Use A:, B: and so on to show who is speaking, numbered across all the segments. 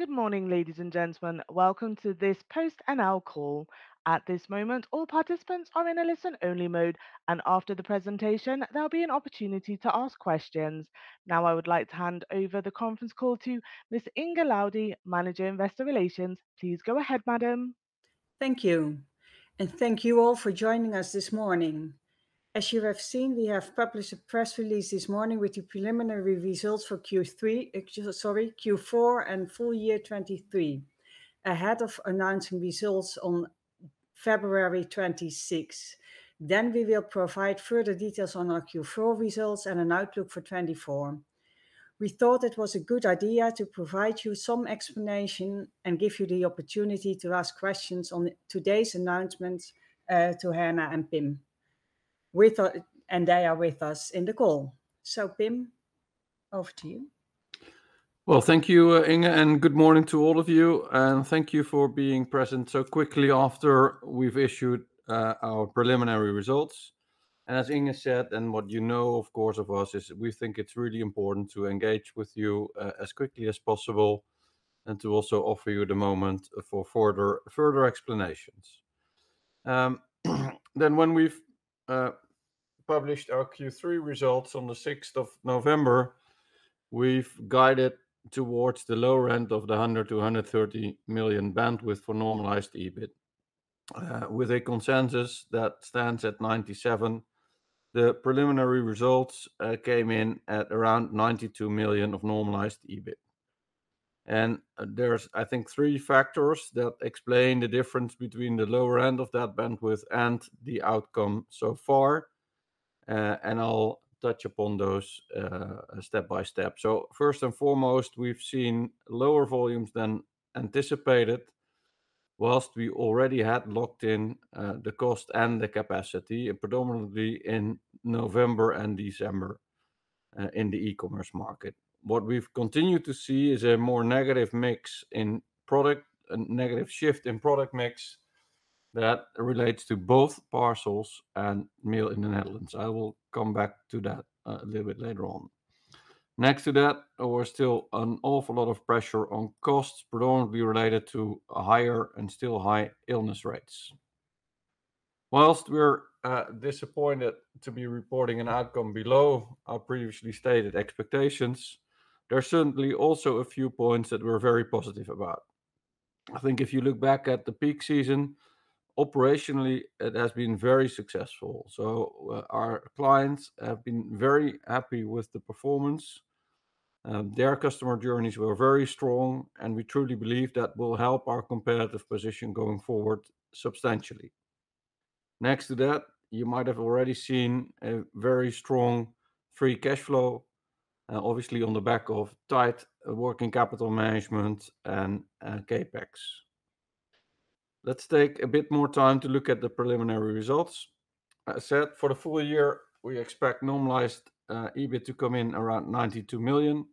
A: Good morning, ladies and gentlemen. Welcome to this PostNL call. At this moment, all participants are in a listen-only mode, and after the presentation, there'll be an opportunity to ask questions. Now, I would like to hand over the conference call to Ms. Inge Laudy, Manager Investor Relations. Please go ahead, madam.
B: Thank you, and thank you all for joining us this morning. As you have seen, we have published a press release this morning with the preliminary results for Q3, actually, sorry, Q4 and full year 2023, ahead of announcing results on February 26. Then we will provide further details on our Q4 results and an outlook for 2024. We thought it was a good idea to provide you some explanation and give you the opportunity to ask questions on today's announcements to Herna and Pim. And they are with us in the call. So Pim, over to you.
C: Well, thank you, Inge, and good morning to all of you, and thank you for being present so quickly after we've issued our preliminary results. And as Inge said, and what you know, of course, of us, is we think it's really important to engage with you as quickly as possible, and to also offer you the moment for further, further explanations. Then, when we've published our Q3 results on the 6th of November, we've guided towards the lower end of the 100 million-130 million bandwidth for normalized EBIT, with a consensus that stands at 97. The preliminary results came in at around 92 million of normalized EBIT. And there's, I think, three factors that explain the difference between the lower end of that bandwidth and the outcome so far, and I'll touch upon those step by step. So first and foremost, we've seen lower volumes than anticipated, while we already had locked in the cost and the capacity, predominantly in November and December, in the e-commerce market. What we've continued to see is a more negative mix in product... a negative shift in product mix that relates to both parcels and mail in the Netherlands. I will come back to that a little bit later on. Next to that, there were still an awful lot of pressure on costs predominantly related to higher and still high illness rates. While we're disappointed to be reporting an outcome below our previously stated expectations, there are certainly also a few points that we're very positive about. I think if you look back at the peak season, operationally, it has been very successful. So our clients have been very happy with the performance, and their customer journeys were very strong, and we truly believe that will help our competitive position going forward substantially. Next to that, you might have already seen a very strong free cash flow, obviously on the back of tight working capital management and CapEx. Let's take a bit more time to look at the preliminary results. I said, for the full year, we expect normalized EBIT to come in around 92 million,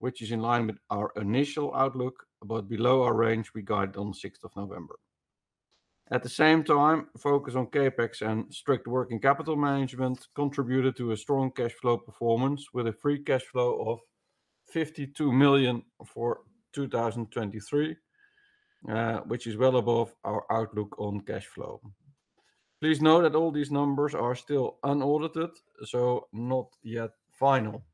C: which is in line with our initial outlook, but below our range we guided on the 6th of November. At the same time, focus on CapEx and strict working capital management contributed to a strong cash flow performance with a free cash flow of 52 million for 2023, which is well above our outlook on cash flow. Please note that all these numbers are still unaudited, so not yet final.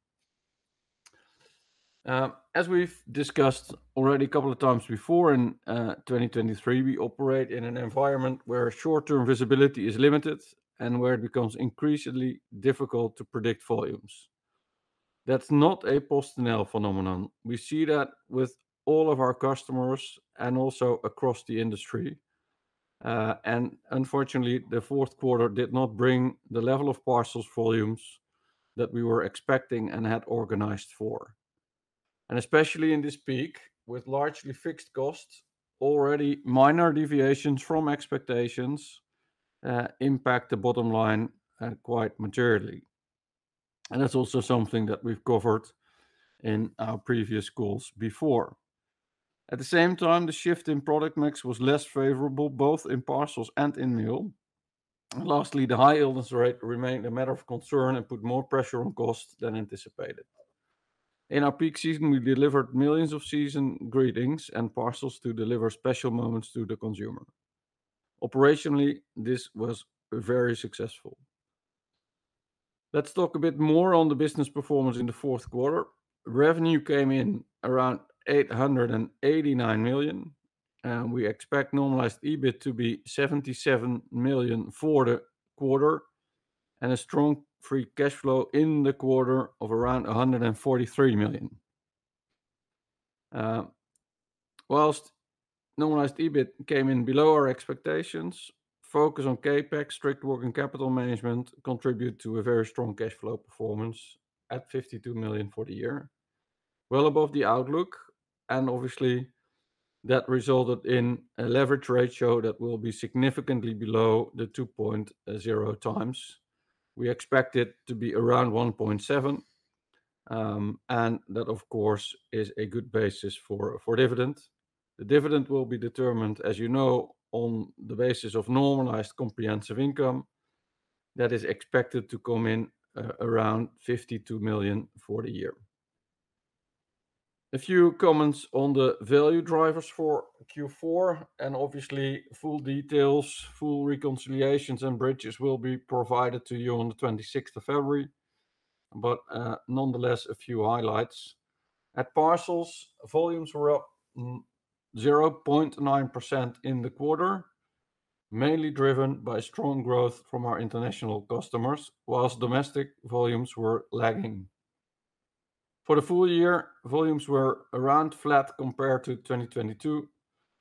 C: As we've discussed already a couple of times before in 2023, we operate in an environment where short-term visibility is limited and where it becomes increasingly difficult to predict volumes. That's not a PostNL phenomenon. We see that with all of our customers and also across the industry. And unfortunately, the fourth quarter did not bring the level of parcels volumes that we were expecting and had organized for. Especially in this peak, with largely fixed costs, already minor deviations from expectations impact the bottom line quite materially. That's also something that we've covered in our previous calls before. At the same time, the shift in product mix was less favorable, both in parcels and in mail. Lastly, the high illness rate remained a matter of concern and put more pressure on costs than anticipated. In our peak season, we delivered millions of season greetings and parcels to deliver special moments to the consumer. Operationally, this was very successful. Let's talk a bit more on the business performance in the fourth quarter. Revenue came in around 889 million, and we expect normalized EBIT to be 77 million for the quarter, and a strong free cash flow in the quarter of around 143 million. Whilst normalized EBIT came in below our expectations, focus on CapEx, strict working capital management contribute to a very strong cash flow performance at 52 million for the year, well above the outlook, and obviously, that resulted in a leverage ratio that will be significantly below the 2.0x. We expect it to be around 1.7, and that, of course, is a good basis for dividend. The dividend will be determined, as you know, on the basis of normalized comprehensive income that is expected to come in around 52 million for the year. A few comments on the value drivers for Q4, and obviously, full details, full reconciliations and bridges will be provided to you on the 26th of February. But nonetheless, a few highlights. At parcels, volumes were up 0.9% in the quarter, mainly driven by strong growth from our international customers, while domestic volumes were lagging. For the full year, volumes were around flat compared to 2022,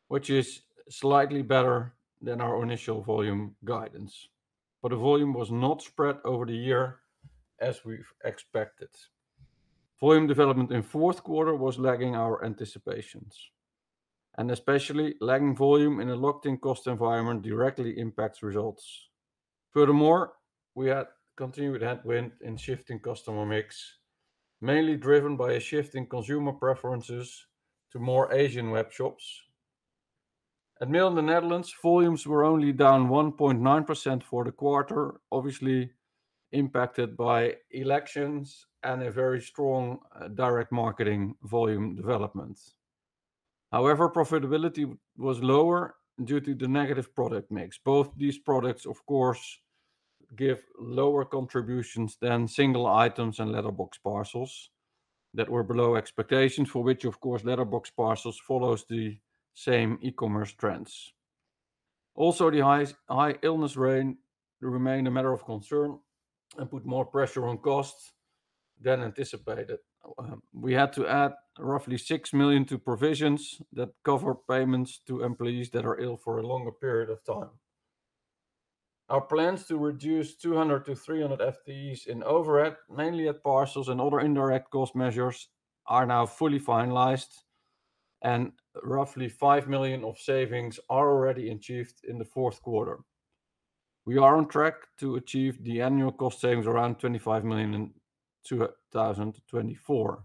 C: which is slightly better than our initial volume guidance. But the volume was not spread over the year as we've expected. Volume development in fourth quarter was lagging our anticipations, and especially lagging volume in a locked-in cost environment directly impacts results. Furthermore, we had continued headwind in shifting customer mix, mainly driven by a shift in consumer preferences to more Asian web shops. At Mail in the Netherlands, volumes were only down 1.9% for the quarter, obviously impacted by elections and a very strong direct marketing volume development. However, profitability was lower due to the negative product mix. Both these products, of course, give lower contributions than single items and letterbox parcels that were below expectations, for which, of course, letterbox parcels follows the same e-commerce trends. Also, the high, high illness rate remained a matter of concern and put more pressure on costs than anticipated. We had to add roughly 6 million to provisions that cover payments to employees that are ill for a longer period of time. Our plans to reduce 200-300 FTEs in overhead, mainly at parcels and other indirect cost measures, are now fully finalized, and roughly 5 million of savings are already achieved in the fourth quarter. We are on track to achieve the annual cost savings around 25 million in 2024.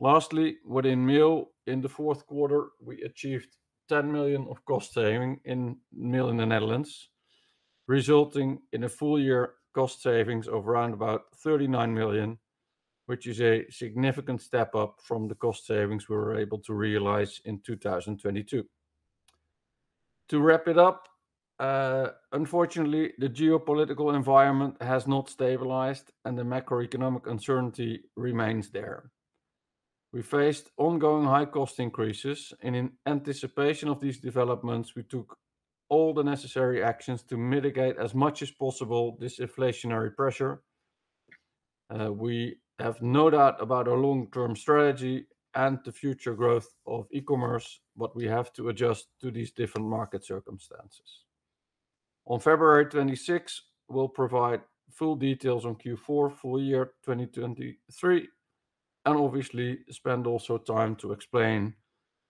C: Lastly, within Mail, in the fourth quarter, we achieved 10 million of cost saving in Mail in the Netherlands, resulting in a full year cost savings of around about 39 million, which is a significant step up from the cost savings we were able to realize in 2022. To wrap it up, unfortunately, the geopolitical environment has not stabilized, and the macroeconomic uncertainty remains there. We faced ongoing high cost increases, and in anticipation of these developments, we took all the necessary actions to mitigate as much as possible this inflationary pressure. We have no doubt about our long-term strategy and the future growth of e-commerce, but we have to adjust to these different market circumstances. On February 26, we'll provide full details on Q4, full year 2023, and obviously spend also time to explain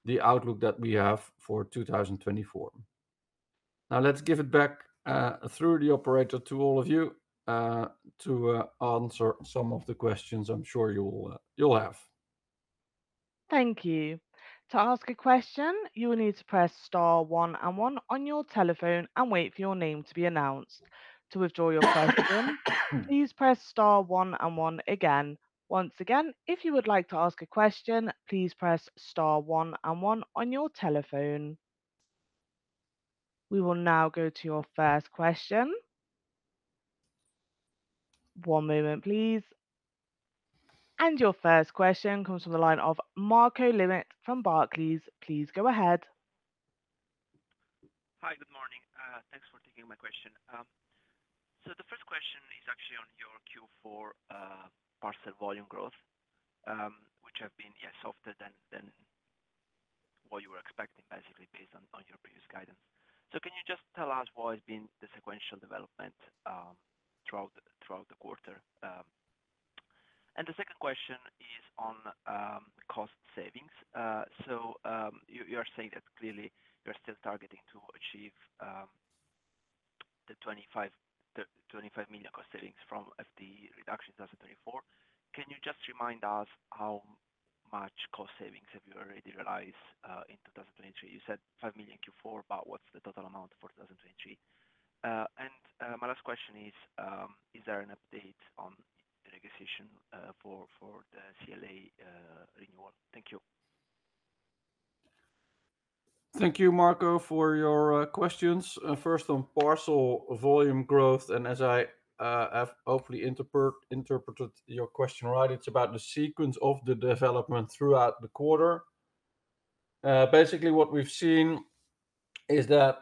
C: the outlook that we have for 2024. Now, let's give it back, through the operator to all of you, to, answer some of the questions I'm sure you'll, you'll have.
A: Thank you. To ask a question, you will need to press star one and one on your telephone and wait for your name to be announced. To withdraw your question, please press star one and one again. Once again, if you would like to ask a question, please press star one and one on your telephone. We will now go to your first question. One moment, please. Your first question comes from the line of Marco Limite from Barclays. Please go ahead.
D: Hi, good morning. Thanks for taking my question. The first question is actually on your Q4 parcel volume growth, which have been, yeah, softer than what you were expecting, basically, based on your previous guidance. Can you just tell us what has been the sequential development throughout the quarter? And the second question is on cost savings. You are saying that clearly you're still targeting to achieve 25 million cost savings from FTE reduction in 2024. Can you just remind us how much cost savings have you already realized in 2023? You said 5 million Q4, but what's the total amount for 2023? My last question is, is there an update on the negotiation for the CLA renewal? Thank you.
C: Thank you, Marco, for your questions. First on parcel volume growth, and as I have hopefully interpreted your question right, it's about the sequence of the development throughout the quarter. Basically, what we've seen is that,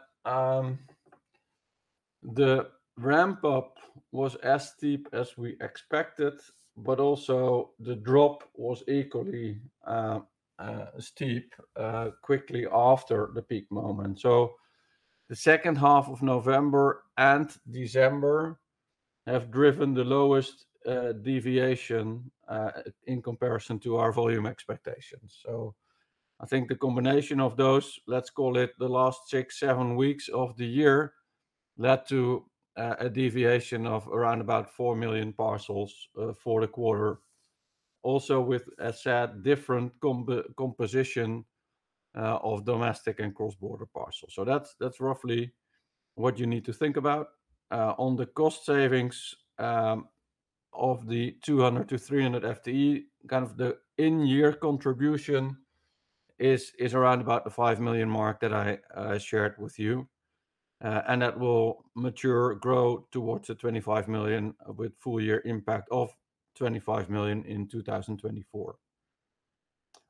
C: the ramp up was as steep as we expected, but also the drop was equally steep quickly after the peak moment. So the second half of November and December have driven the lowest deviation in comparison to our volume expectations. So I think the combination of those, let's call it the last six, seven weeks of the year, led to a deviation of around about four million parcels for the quarter... also with, as said, different composition of domestic and cross-border parcels. So that's roughly what you need to think about. On the cost savings, of the 200-300 FTE, kind of the in-year contribution is, is around about the 5 million mark that I, shared with you. And that will mature, grow towards the 25 million, with full year impact of 25 million in 2024.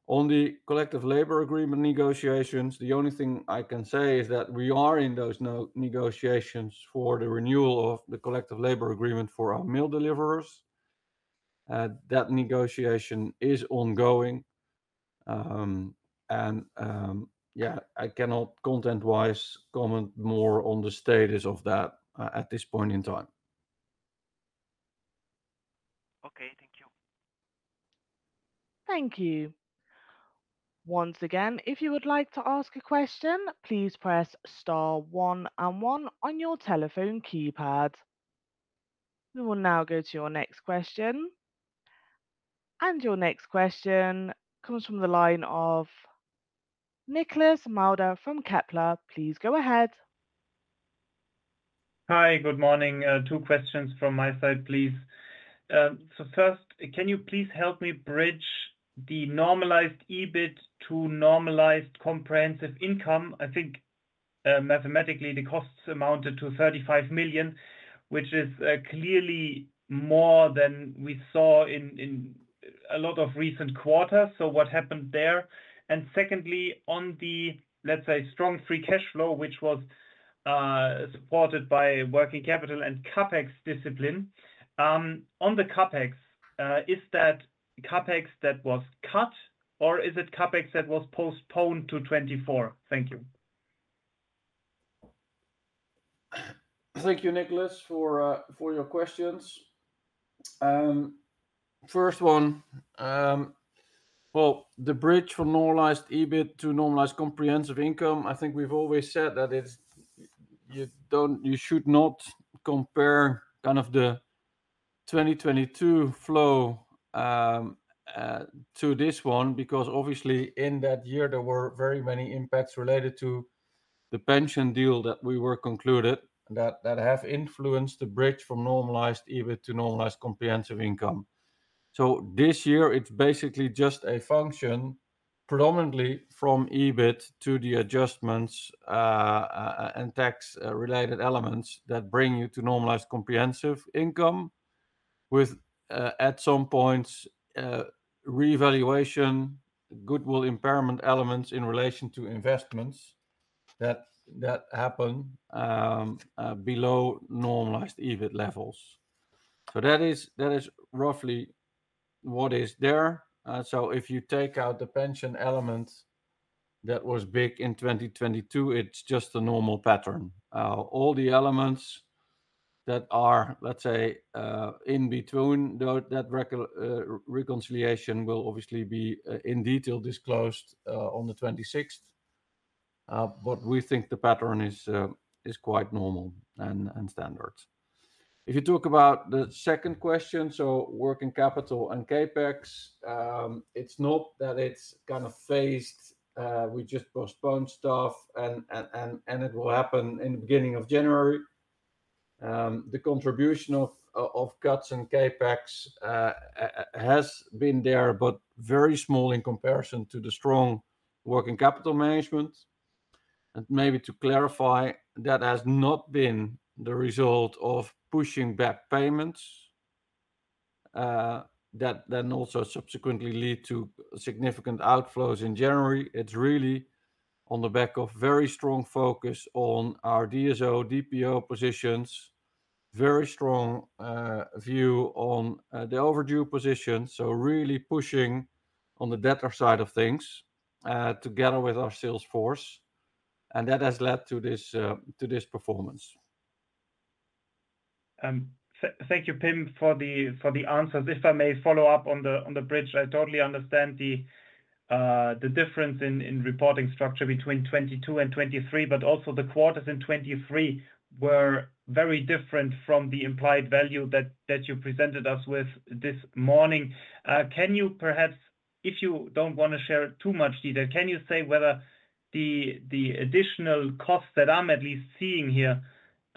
C: On the collective labor agreement negotiations, the only thing I can say is that we are in those negotiations for the renewal of the collective labor agreement for our mail deliverers. That negotiation is ongoing. And, yeah, I cannot content-wise comment more on the status of that, at this point in time.
D: Okay, thank you.
A: Thank you. Once again, if you would like to ask a question, please press star one and one on your telephone keypad. We will now go to your next question. Your next question comes from the line of Nicolas Mulder from Kepler. Please go ahead.
E: Hi, good morning. Two questions from my side, please. So first, can you please help me bridge the normalized EBIT to normalized comprehensive income? I think, mathematically the costs amounted to 35 million, which is clearly more than we saw in a lot of recent quarters. So what happened there? And secondly, on the, let's say, strong free cash flow, which was supported by working capital and CapEx discipline. On the CapEx, is that CapEx that was cut, or is it CapEx that was postponed to 2024? Thank you.
C: Thank you, Nicolas, for your questions. First one, well, the bridge from Normalized EBIT to Normalized Comprehensive Income, I think we've always said that it's. You should not compare kind of the 2022 flow to this one, because obviously in that year there were very many impacts related to the pension deal that we were concluded, that, that have influenced the bridge from Normalized EBIT to Normalized Comprehensive Income. So this year, it's basically just a function predominantly from EBIT to the adjustments and tax related elements that bring you to Normalized Comprehensive Income, with at some points revaluation, goodwill impairment elements in relation to investments that, that happen below Normalized EBIT levels. So that is, that is roughly what is there. So if you take out the pension element that was big in 2022, it's just a normal pattern. All the elements that are, let's say, in between reconciliation will obviously be in detail disclosed on the 26th. But we think the pattern is quite normal and standard. If you talk about the second question, so working capital and CapEx, it's not that it's kind of phased, we just postponed stuff and it will happen in the beginning of January. The contribution of cuts in CapEx has been there, but very small in comparison to the strong working capital management. And maybe to clarify, that has not been the result of pushing back payments, that then also subsequently lead to significant outflows in January. It's really on the back of very strong focus on our DSO, DPO positions, very strong view on the overdue position, so really pushing on the debtor side of things, together with our sales force, and that has led to this, to this performance.
E: Thank you, Pim, for the answers. If I may follow up on the bridge, I totally understand the difference in reporting structure between 2022 and 2023, but also the quarters in 2023 were very different from the implied value that you presented us with this morning. Can you perhaps... If you don't want to share too much detail, can you say whether the additional costs that I'm at least seeing here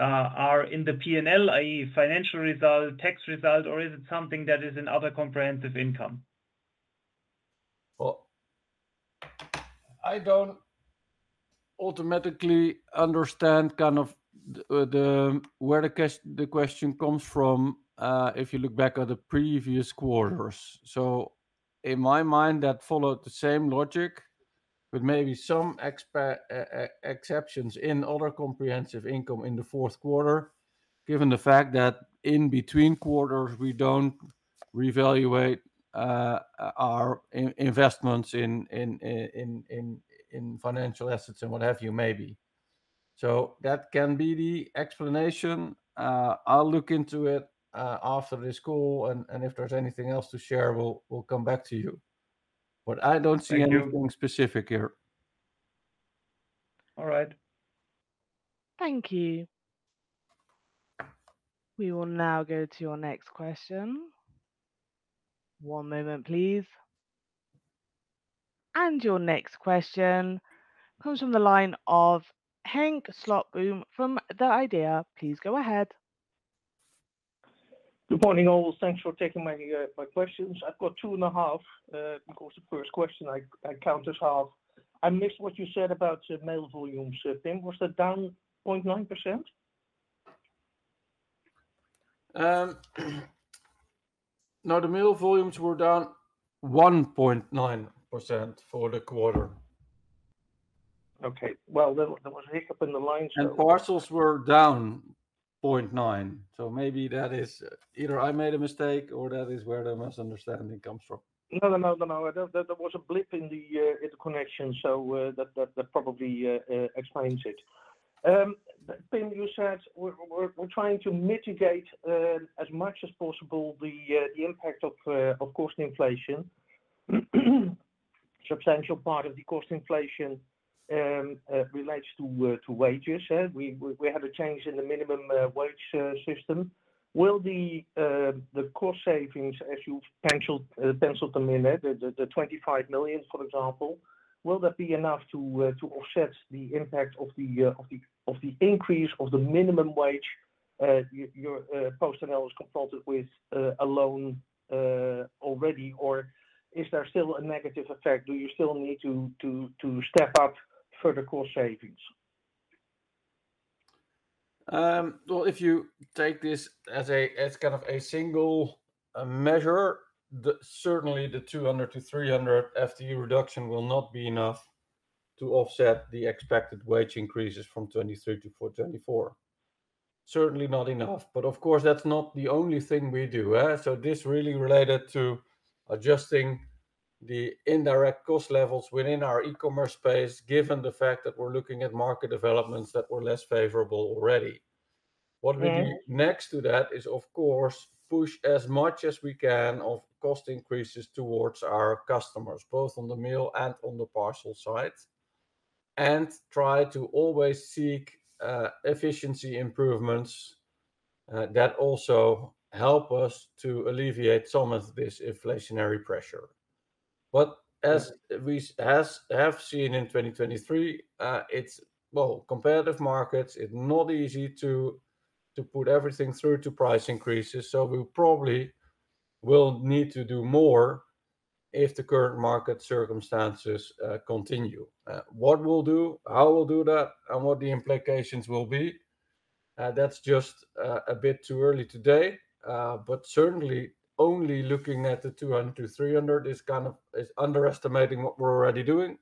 E: are in the P&L, i.e., financial result, tax result, or is it something that is in other comprehensive income?
C: Well, I don't automatically understand kind of the, the, where the question comes from, if you look back at the previous quarters. So in my mind, that followed the same logic, but maybe some exceptions in other comprehensive income in the fourth quarter, given the fact that in between quarters, we don't reevaluate our investments in financial assets and what have you, maybe. So that can be the explanation. I'll look into it after this call, and if there's anything else to share, we'll come back to you. But I don't see anything-
E: Thank you...
C: specific here.
E: All right.
A: Thank you. We will now go to your next question. One moment, please. Your next question comes from the line of Henk Slotboom from the IDEA. Please go ahead.
F: Good morning, all. Thanks for taking my questions. I've got two and a half, because the first question I count as half. I missed what you said about the mail volumes, Pim. Was that down 0.9%?
C: No, the mail volumes were down 1.9% for the quarter.
F: Okay. Well, there was a hiccup in the line there.
C: Parcels were down 0.9, so maybe that is... Either I made a mistake or that is where the misunderstanding comes from.
F: No, no, no, no, no. There was a blip in the connection, so that probably explains it. Pim, you said we're trying to mitigate as much as possible the impact of cost inflation. Substantial part of the cost inflation relates to wages, eh? We had a change in the minimum wage system. Will the cost savings, as you penciled them in, the 25 million, for example, will that be enough to offset the impact of the increase of the minimum wage? Your PostNL has consulted with alone already, or is there still a negative effect? Do you still need to step up further cost savings?
C: Well, if you take this as kind of a single measure, certainly the 200-300 FTE reduction will not be enough to offset the expected wage increases from 2023-2024. Certainly not enough, but of course, that's not the only thing we do, eh? So this really related to adjusting the indirect cost levels within our e-commerce space, given the fact that we're looking at market developments that were less favorable already.
F: Mm-hmm.
C: What we do next to that is, of course, push as much as we can of cost increases towards our customers, both on the mail and on the parcel side, and try to always seek, efficiency improvements, that also help us to alleviate some of this inflationary pressure. But as we have seen in 2023, it's... Well, competitive markets, it's not easy to put everything through to price increases, so we probably will need to do more if the current market circumstances continue. What we'll do, how we'll do that, and what the implications will be, that's just a bit too early today. But certainly only looking at the 200-300 is kind of underestimating what we're already doing,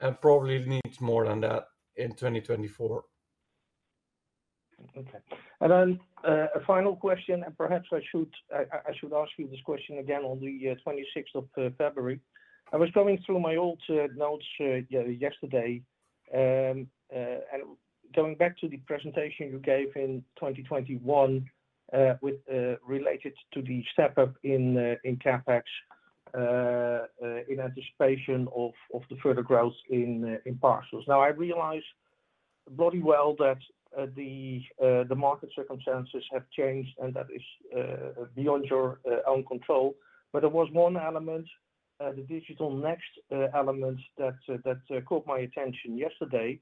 C: and probably needs more than that in 2024.
F: Okay. And then, a final question, and perhaps I should ask you this question again on the 26th of February. I was going through my old notes yesterday, and going back to the presentation you gave in 2021, with related to the step-up in CapEx in anticipation of the further growth in parcels. Now, I realize bloody well that the market circumstances have changed, and that is beyond your own control. But there was one element, the Digital Next element, that caught my attention yesterday.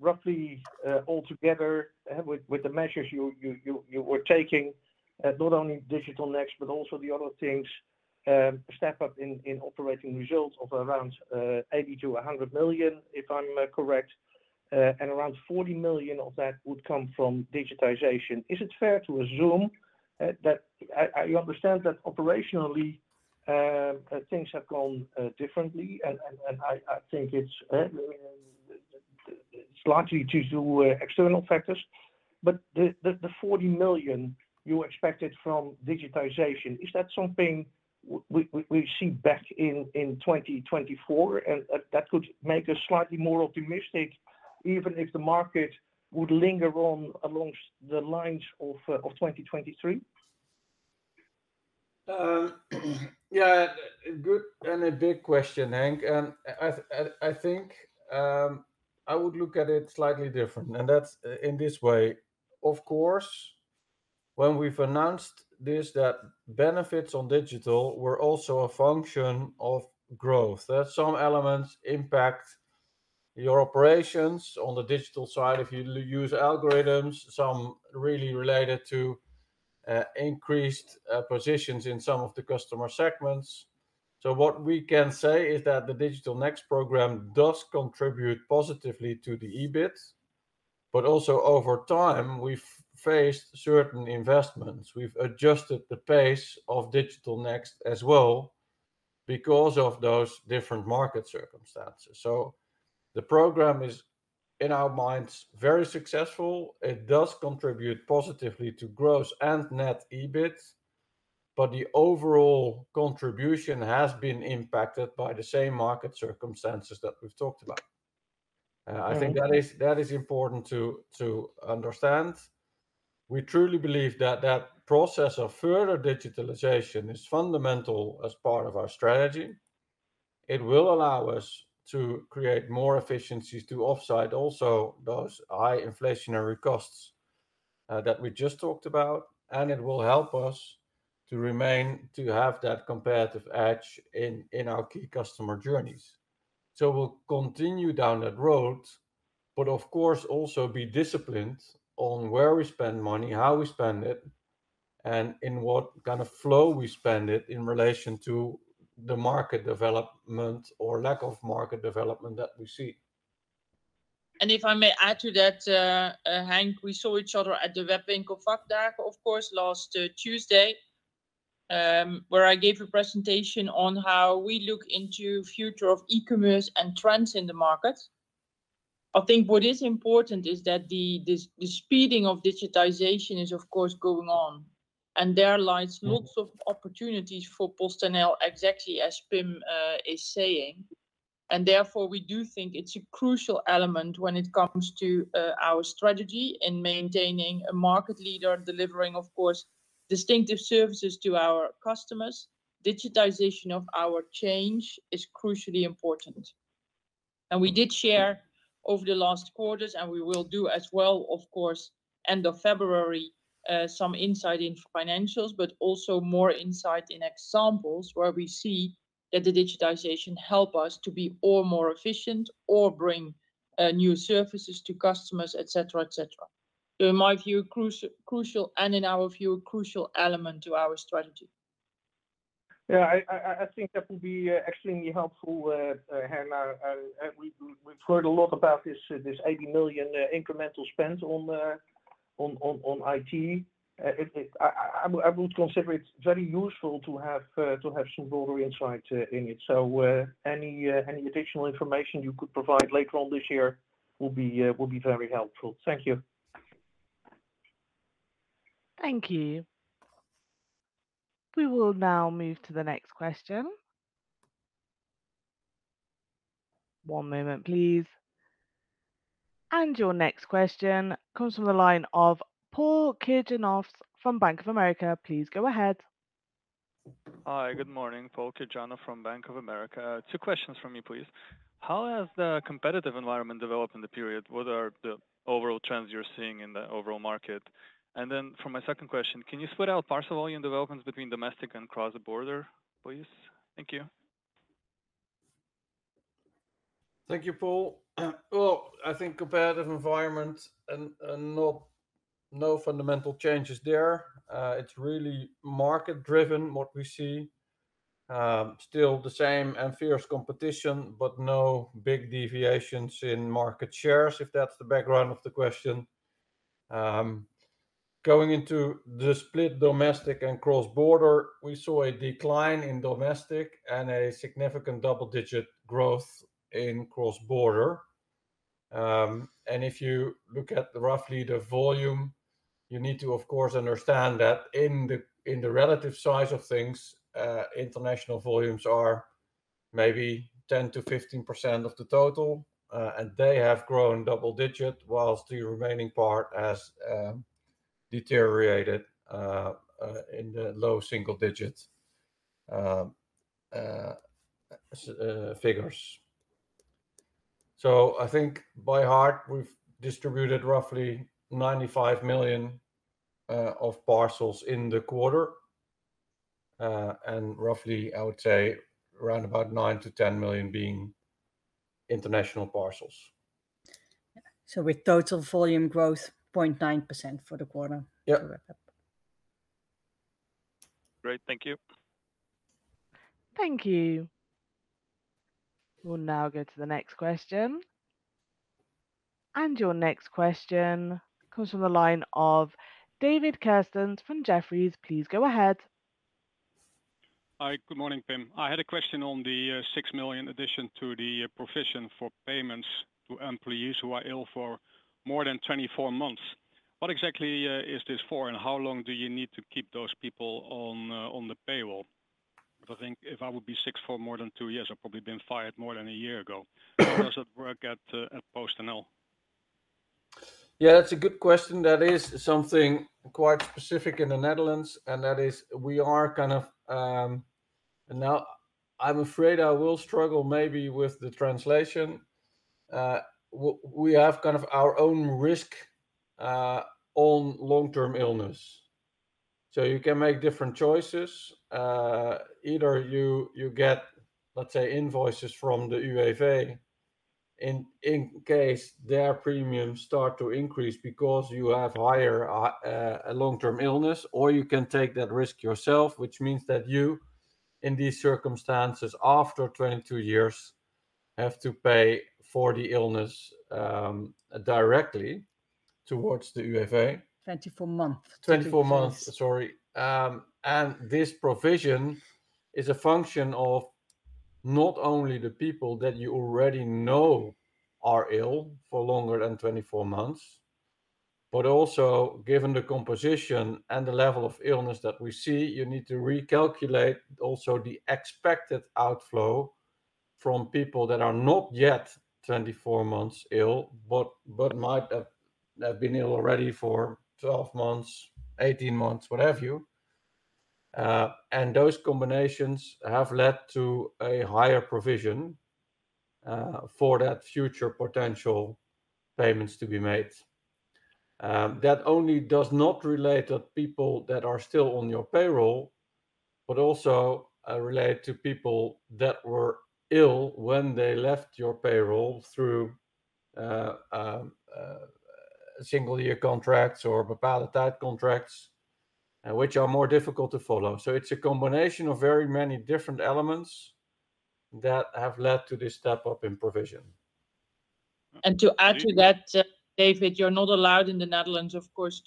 F: Roughly, all together, with the measures you were taking, not only Digital Next, but also the other things, step up in operating results of around 80 million-100 million, if I'm correct, and around 40 million of that would come from digitization. Is it fair to assume that I understand that operationally, things have gone differently, and I think it's largely to do with external factors, but the 40 million you expected from digitization, is that something we see back in 2024? And that would make us slightly more optimistic, even if the market would linger on along the lines of 2023.
C: Yeah, a good and a big question, Henk, and I think I would look at it slightly different, and that's in this way. Of course, when we've announced this, that benefits on digital were also a function of growth. There are some elements impact your operations on the digital side if you use algorithms, some really related to increased positions in some of the customer segments. So what we can say is that the Digital Next program does contribute positively to the EBIT, but also over time, we've faced certain investments. We've adjusted the pace of Digital Next as well because of those different market circumstances. So the program is, in our minds, very successful. It does contribute positively to gross and net EBIT, but the overall contribution has been impacted by the same market circumstances that we've talked about.
F: Mm-hmm.
C: I think that is important to understand. We truly believe that process of further digitalization is fundamental as part of our strategy. It will allow us to create more efficiencies to offset, also those high inflationary costs that we just talked about, and it will help us to remain, to have that competitive edge in our key customer journeys. So we'll continue down that road, but of course, also be disciplined on where we spend money, how we spend it, and in what kind of flow we spend it in relation to the market development or lack of market development that we see.
G: And if I may add to that, Henk, we saw each other at the Webwinkel Vakdagen, of course, last Tuesday, where I gave a presentation on how we look into future of e-commerce and trends in the market. I think what is important is that the speeding of digitization is of course going on, and there lies lots of opportunities for PostNL, exactly as Pim is saying. And therefore we do think it's a crucial element when it comes to our strategy in maintaining a market leader, delivering, of course, distinctive services to our customers. Digitization of our change is crucially important. We did share over the last quarters, and we will do as well, of course, end of February, some insight into financials, but also more insight in examples where we see that the digitization help us to be all more efficient or bring new services to customers, et cetera, et cetera. In my view, crucial, and in our view, a crucial element to our strategy.
F: Yeah, I think that will be extremely helpful, Henk. We’ve heard a lot about this 80 million incremental spend on IT. I would consider it very useful to have some broader insight in it. So, any additional information you could provide later on this year will be very helpful. Thank you.
A: Thank you. We will now move to the next question. One moment, please. Your next question comes from the line of Pauls Kirjanovs from Bank of America. Please go ahead.
H: Hi, good morning. Pauls Kirjanovs from Bank of America. Two questions from me, please. How has the competitive environment developed in the period? What are the overall trends you're seeing in the overall market? And then for my second question, can you split out parcel volume developments between domestic and cross-border, please? Thank you.
C: Thank you, Pauls. Well, I think competitive environment and no fundamental changes there. It's really market driven, what we see. Still the same and fierce competition, but no big deviations in market shares, if that's the background of the question. Going into the split domestic and cross-border, we saw a decline in domestic and a significant double-digit growth in cross-border. And if you look at roughly the volume, you need to, of course, understand that in the relative size of things, international volumes are maybe 10%-15% of the total, and they have grown double-digit, whilst the remaining part has deteriorated in the low single digits figures. I think by heart, we've distributed roughly 95 million parcels in the quarter, and roughly, I would say, around about nine to 10 million being international parcels.
G: With total volume growth, 0.9% for the quarter-
C: Yeah.
G: To wrap up.
H: Great, thank you.
A: Thank you. We'll now go to the next question. Your next question comes from the line of David Kerstens from Jefferies. Please go ahead.
I: Hi. Good morning, Pim. I had a question on the 6 million addition to the provision for payments to employees who are ill for more than 24 months. What exactly is this for, and how long do you need to keep those people on the payroll? I think if I would be sick for more than two years, I'd probably been fired more than a year ago. How does it work at PostNL?
C: Yeah, that's a good question. That is something quite specific in the Netherlands, and that is, we are kind of... Now, I'm afraid I will struggle maybe with the translation. We have kind of our own risk on long-term illness. So you can make different choices. Either you get, let's say, invoices from the UWV in case their premiums start to increase because you have higher long-term illness, or you can take that risk yourself, which means that you, in these circumstances, after 22 years, have to pay for the illness directly towards the UWV.
G: 24 months.
C: 24 months, sorry. And this provision is a function of not only the people that you already know are ill for longer than 24 months, but also given the composition and the level of illness that we see, you need to recalculate also the expected outflow from people that are not yet 24 months ill, but might have been ill already for 12 months, 18 months, what have you. And those combinations have led to a higher provision for that future potential payments to be made. That only does not relate to people that are still on your payroll, but also relate to people that were ill when they left your payroll through single year contracts or payroll-type contracts, and which are more difficult to follow. So it's a combination of very many different elements that have led to this step-up in provision.
G: To add to that, David, you're not allowed in the Netherlands, of course,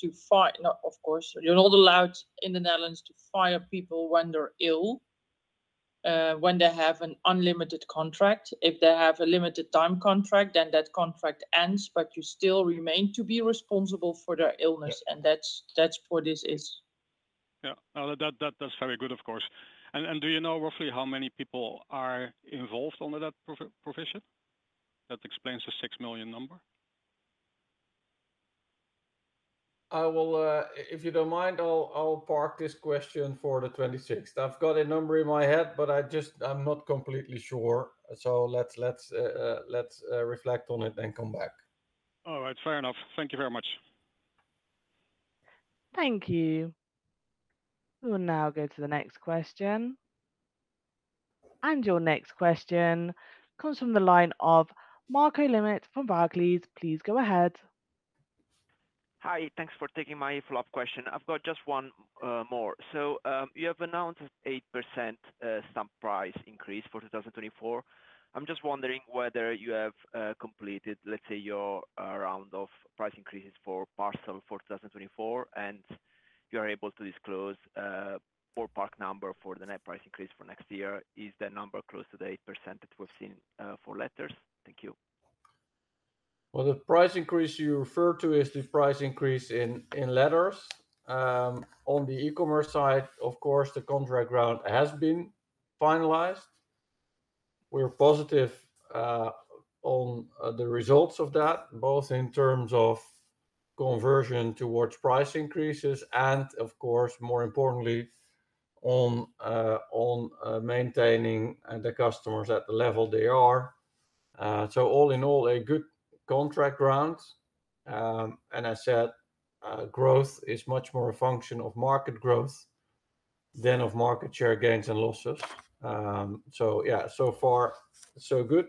G: not of course, you're not allowed in the Netherlands to fire people when they're ill, when they have an unlimited contract. If they have a limited time contract, then that contract ends, but you still remain to be responsible for their illness, and that's, that's what this is.
I: Yeah. No, that's very good, of course. And do you know roughly how many people are involved under that provision? That explains the six million number.
C: I will. If you don't mind, I'll park this question for the 26th. I've got a number in my head, but I'm not completely sure, so let's reflect on it and come back.
I: All right, fair enough. Thank you very much.
A: Thank you. We will now go to the next question. Your next question comes from the line of Marco Limite from Barclays. Please go ahead.
D: Hi, thanks for taking my follow-up question. I've got just one more. So, you have announced 8% stamp price increase for 2024. I'm just wondering whether you have completed, let's say, your round of price increases for parcel for 2024, and you are able to disclose ballpark number for the net price increase for next year. Is that number close to the 8% that we've seen for letters? Thank you.
C: Well, the price increase you refer to is the price increase in letters. On the e-commerce side, of course, the contract round has been finalized. We're positive on the results of that, both in terms of conversion towards price increases and of course, more importantly, on maintaining the customers at the level they are. So all in all, a good contract round. And I said, growth is much more a function of market growth than of market share gains and losses. So yeah, so far, so good.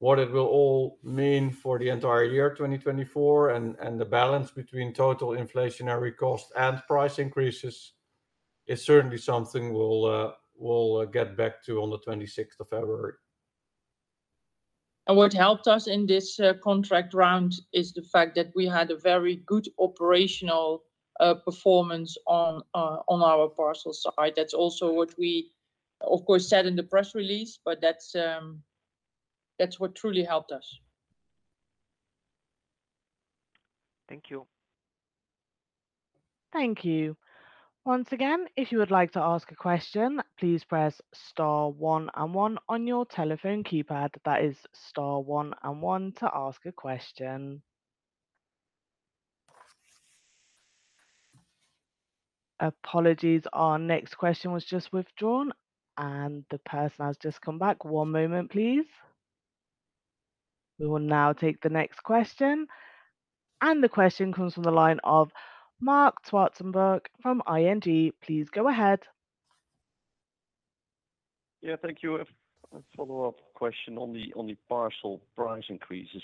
C: What it will all mean for the entire year, 2024, and the balance between total inflationary cost and price increases is certainly something we'll get back to on the 26th of February.
G: And what helped us in this contract round is the fact that we had a very good operational performance on our parcel side. That's also what we, of course, said in the press release, but that's what truly helped us.
D: Thank you.
A: Thank you. Once again, if you would like to ask a question, please press star one and one on your telephone keypad. That is star one and one to ask a question. Apologies, our next question was just withdrawn, and the person has just come back. One moment, please. We will now take the next question, and the question comes from the line of Marc Zwartsenberg from ING. Please go ahead.
J: Yeah, thank you. A follow-up question on the parcel price increases.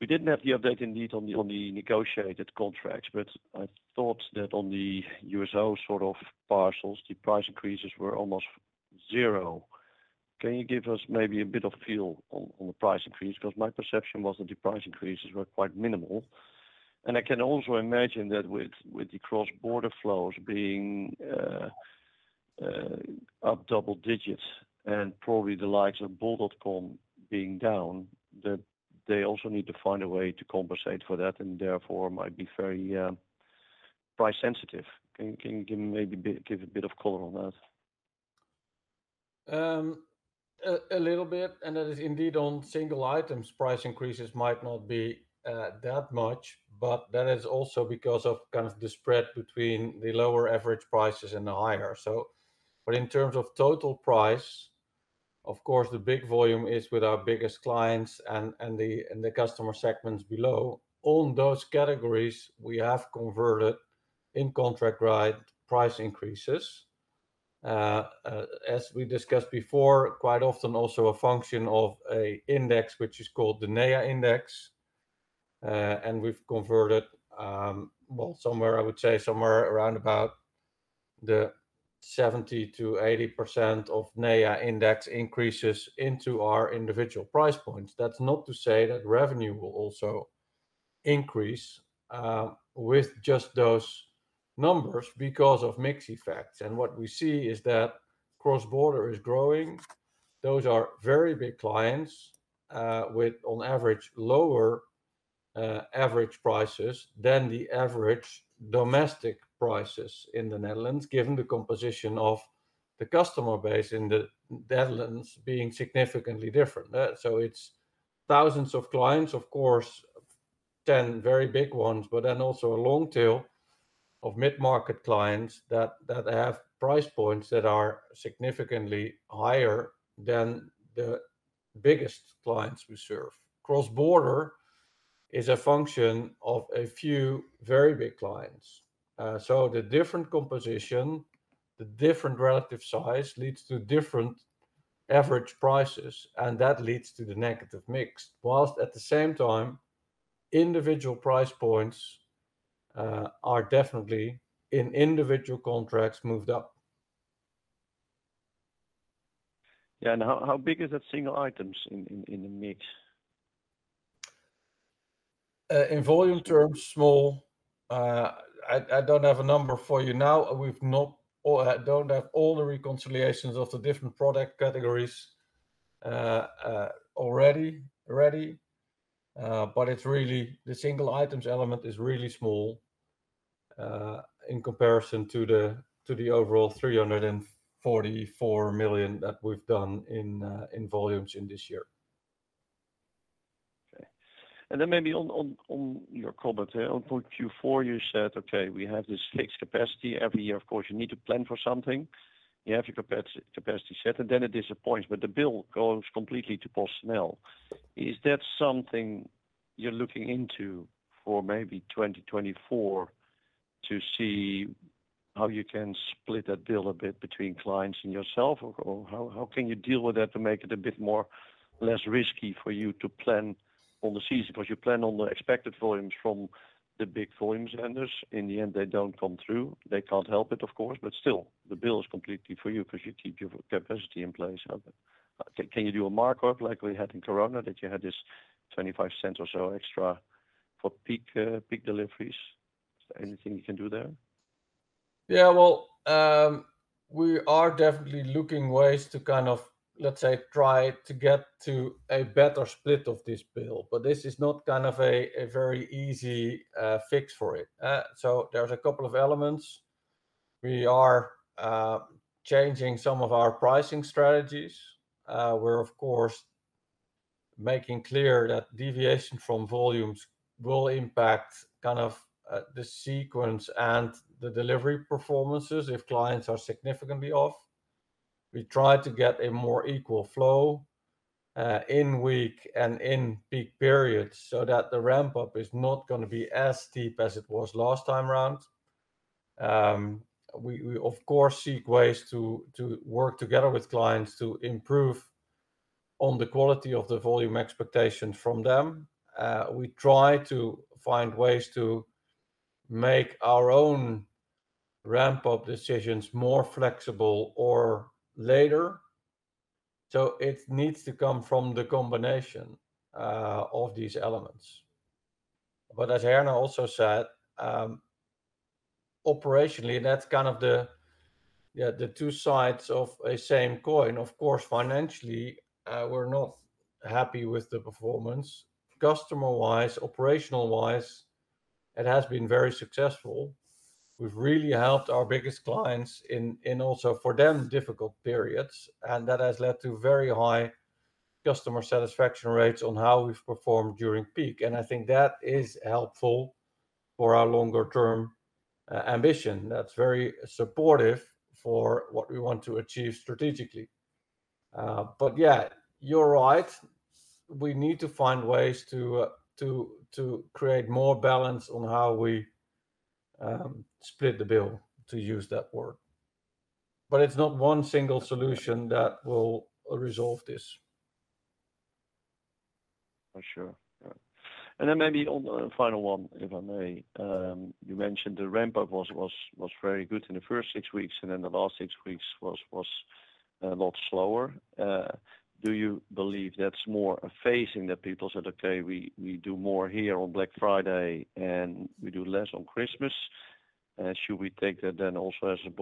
J: We didn't have the update indeed on the negotiated contracts, but I thought that on the USO sort of parcels, the price increases were almost zero. Can you give us maybe a bit of feel on the price increase? 'Cause my perception was that the price increases were quite minimal. And I can also imagine that with the cross-border flows being up double digits and probably the likes of bol.com being down, that they also need to find a way to compensate for that and therefore might be very price sensitive. Can you give me maybe a bit, give a bit of color on that?
C: A little bit, and that is indeed on single items, price increases might not be that much, but that is also because of kind of the spread between the lower average prices and the higher. So, but in terms of total price, of course, the big volume is with our biggest clients and the customer segments below. On those categories, we have converted in contract price increases. As we discussed before, quite often also a function of an index, which is called the NEA index. And we've converted, well, somewhere, I would say somewhere around about the 70%-80% of NEI Index increases into our individual price points. That's not to say that revenue will also increase with just those numbers because of mix effects. And what we see is that cross-border is growing. Those are very big clients with on average lower average prices than the average domestic prices in the Netherlands, given the composition of the customer base in the Netherlands being significantly different. So it's thousands of clients, of course, 10 very big ones, but then also a long tail of mid-market clients that have price points that are significantly higher than the biggest clients we serve. Cross-border is a function of a few very big clients. So the different composition, the different relative size, leads to different average prices, and that leads to the negative mix. Whilst at the same time, individual price points are definitely in individual contracts moved up.
J: Yeah, and how big is that single items in the mix?
C: In volume terms, small. I don't have a number for you now. We've not or don't have all the reconciliations of the different product categories already ready. But it's really the single items element is really small in comparison to the overall 344 million that we've done in volumes in this year.
J: Okay. Then maybe on your comment on Q4, you said, "Okay, we have this fixed capacity." Every year, of course, you need to plan for something. You have your capacity set, and then it disappoints, but the bill goes completely to personnel. Is that something you're looking into for maybe 2024, to see how you can split that bill a bit between clients and yourself, or how can you deal with that to make it a bit less risky for you to plan on the season? 'Cause you plan on the expected volumes from the big volume vendors. In the end, they don't come through. They can't help it, of course, but still, the bill is completely for you 'cause you keep your capacity in place. Can you do a markup like we had in Corona, that you had this 0.25 or so extra for peak deliveries? Is there anything you can do there?
C: Yeah, well, we are definitely looking ways to kind of, let's say, try to get to a better split of this bill, but this is not kind of a very easy fix for it. So there's a couple of elements. We are changing some of our pricing strategies. We're, of course, making clear that deviation from volumes will impact kind of the sequence and the delivery performances if clients are significantly off. We try to get a more equal flow in week and in peak periods, so that the ramp-up is not gonna be as steep as it was last time around. We, of course, seek ways to work together with clients to improve on the quality of the volume expectation from them. We try to find ways to make our own ramp-up decisions more flexible or later. So it needs to come from the combination of these elements. But as Herna also said, operationally, that's kind of the, yeah, the two sides of a same coin. Of course, financially, we're not happy with the performance. Customer-wise, operational-wise, it has been very successful. We've really helped our biggest clients in also for them, difficult periods, and that has led to very high customer satisfaction rates on how we've performed during peak, and I think that is helpful for our longer-term ambition. That's very supportive for what we want to achieve strategically. But yeah, you're right, we need to find ways to create more balance on how we split the bill, to use that word. But it's not one single solution that will resolve this.
J: For sure. Yeah. And then maybe on the final one, if I may. You mentioned the ramp-up was very good in the first 6 weeks, and then the last 6 weeks was a lot slower. Do you believe that's more a phasing that people said, "Okay, we do more here on Black Friday, and we do less on Christmas?" Should we take that then also as a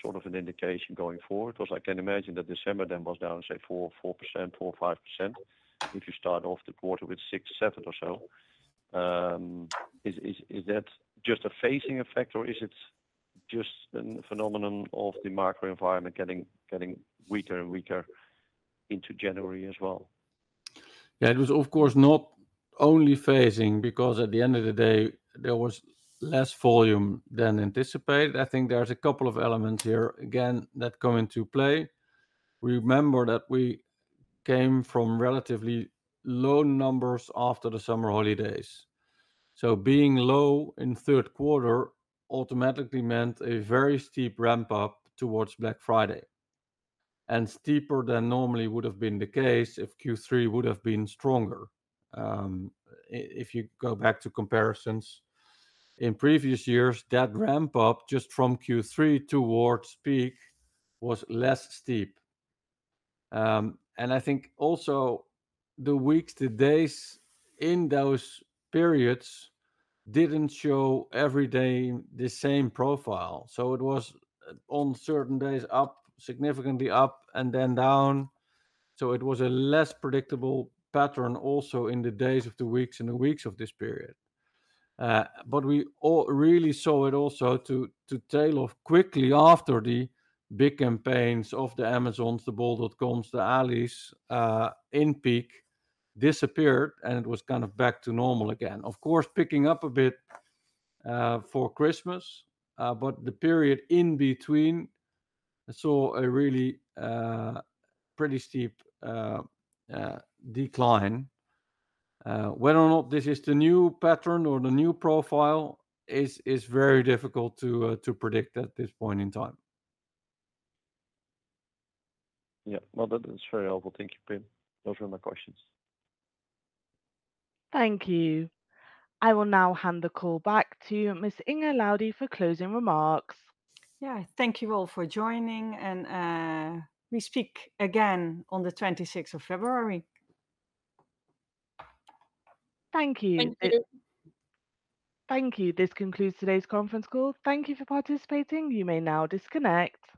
J: sort of an indication going forward? 'Cause I can imagine that December then was down, say, 4%-5%, if you start off the quarter with six, seven or so. Is that just a phasing effect, or is it just a phenomenon of the microenvironment getting weaker and weaker into January as well?
C: Yeah, it was, of course, not only phasing, because at the end of the day, there was less volume than anticipated. I think there's a couple of elements here, again, that come into play. Remember that we came from relatively low numbers after the summer holidays, so being low in third quarter automatically meant a very steep ramp-up towards Black Friday, and steeper than normally would have been the case if Q3 would have been stronger. If you go back to comparisons, in previous years, that ramp-up just from Q3 towards peak was less steep. And I think also the weeks, the days in those periods, didn't show every day the same profile. So it was on certain days up, significantly up, and then down. So it was a less predictable pattern also in the days of the weeks, and the weeks of this period. But we all really saw it also to tail off quickly after the big campaigns of the Amazon's, the bol.com's, the Ali's in peak disappeared, and it was kind of back to normal again. Of course, picking up a bit for Christmas, but the period in between, I saw a really pretty steep decline. Whether or not this is the new pattern or the new profile is very difficult to predict at this point in time.
J: Yeah. Well, that is very helpful. Thank you, Pim. Those are my questions.
A: Thank you. I will now hand the call back to Ms. Inge Laudy for closing remarks.
B: Yeah, thank you all for joining, and we speak again on the 26th of February.
A: Thank you.
B: Thank you.
A: Thank you. This concludes today's conference call. Thank you for participating. You may now disconnect.